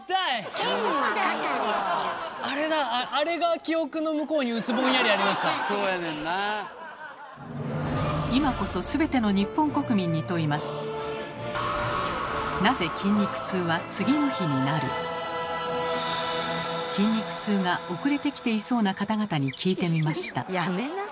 筋肉痛が遅れてきていそうな方々に聞いてみました。